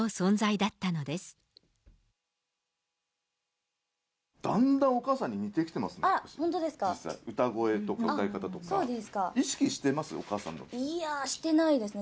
だんだんお母さんに似てきてますね。